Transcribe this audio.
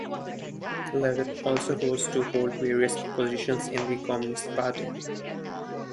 Levit also rose to hold various positions in the Communist Party.